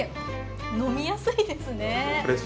飲みやすいですね。